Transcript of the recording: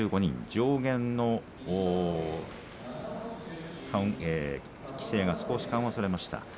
上限の規制が少し緩和されました。